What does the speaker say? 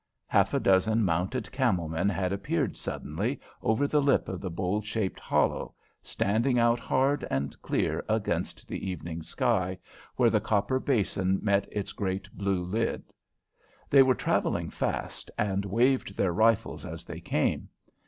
Half a dozen mounted camel men had appeared suddenly over the lip of the bowl shaped hollow, standing out hard and clear against the evening sky, where the copper basin met its great blue lid. They were travelling fast, and waved their rifles as they came.